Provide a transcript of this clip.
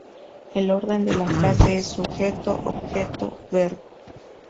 El orden de la frase es sujeto-objeto-verbo.